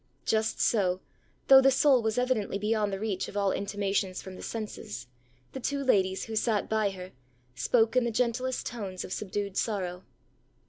Just so, though the soul was evidently beyond the reach of all intimations from the senses, the two ladies, who sat beside her, spoke in the gentlest tones of subdued sorrow.